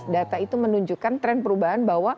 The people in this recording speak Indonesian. data itu menunjukkan tren perubahan bahwa